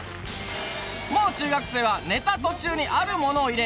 もう中学生はネタ途中にあるものを入れ